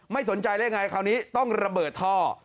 ไม่สนใจละยังไงต้องระเบิดท่อ